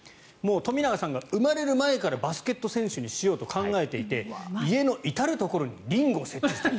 富永さんが生まれる前からバスケット選手にしようと考えていて家の至るところにリングを設置していた。